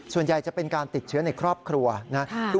ส่วนใหญ่จะเป็นการติดเชื้อในครอบครัวนะ